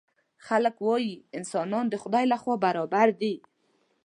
خلک وايي انسانان د خدای له خوا برابر دي.